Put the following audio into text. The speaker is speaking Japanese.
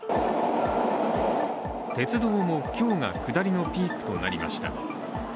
鉄道も、今日が下りのピークとなりました。